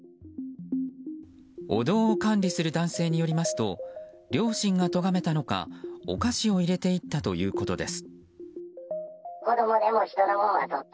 お堂を管理する男性によりますと良心がとがめたのかお菓子を入れていったということです。